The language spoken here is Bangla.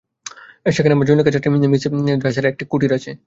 সেখানে আমার জনৈকা ছাত্রী মিস ডাচারের এক কুটীর আছে।